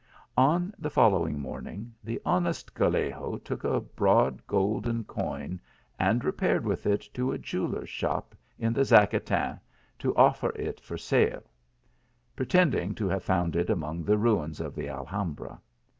On the following morning the honest Gallego took a broad golden coin, and repaired with it to a jewel ler s shop in the Zacatin to offer it for sale ; pretend ing to have found it among the ruins of the Alharn bra.